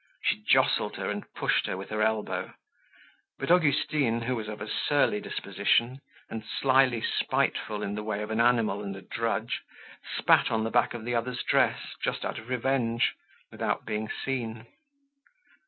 She jostled her and pushed her with her elbow; but Augustine who was of a surly disposition, and slyly spiteful in the way of an animal and a drudge, spat on the back of the other's dress just out of revenge, without being seen.